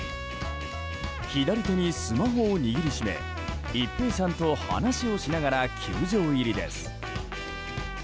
左手にスマホを握り締め一平さんと話をしながら球場入りです。